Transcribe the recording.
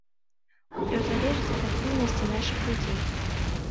Усё залежыць ад актыўнасці нашых людзей.